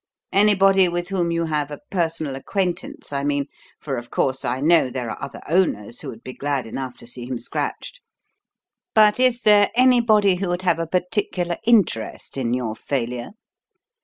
Anybody with whom you have a personal acquaintance, I mean, for of course I know there are other owners who would be glad enough to see him scratched. But is there anybody who would have a particular interest in your failure?"